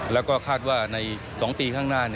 แล้วก็คาดว่าใน๒ปีข้างหน้า